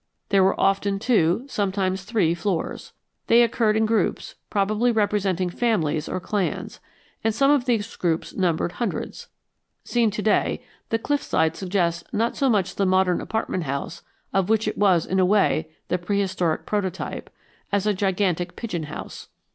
There were often two, sometimes three, floors. They occurred in groups, probably representing families or clans, and some of these groups numbered hundreds. Seen to day, the cliff side suggests not so much the modern apartment house, of which it was in a way the prehistoric prototype, as a gigantic pigeon house.